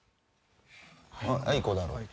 「あいこだろう」？